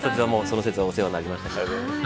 その節はお世話になりました。